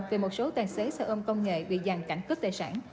về một số tài xế xe ôm công nghệ bị dàn cảnh cướp tài sản